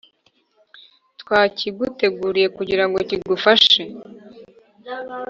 Twakiguteguriye kugira ngo kigufashe